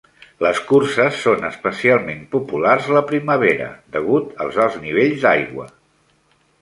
Les curses són especialment populars la primavera, degut als alts nivells d'aigua.